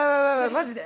マジで？